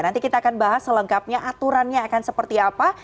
nanti kita akan bahas selengkapnya aturannya akan seperti apa